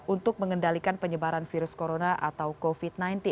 untuk mengendalikan penyebaran virus corona atau covid sembilan belas